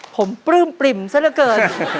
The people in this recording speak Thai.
ผมปลื้มปริ่มซะละเกิน